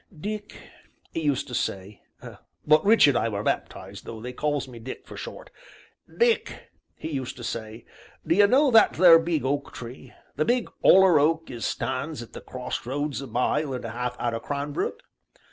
'Dick,' 'e used to say (but Richard I were baptized, though they calls me Dick for short), 'Dick,' 'e used to say, 'd'ye know that theer big oak tree the big, 'oller oak as stands at the crossroads a mile and a 'alf out o' Cranbrook?